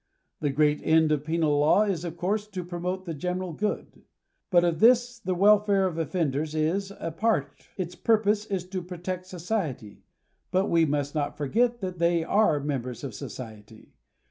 The great end of penal law is of course to promote the gene ral good. But of this the welfare of offenders is a part. Its purpose is to protect society, but we must not forget that they are members of society.